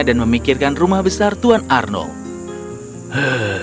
dan memikirkan rumah besar tuan arnold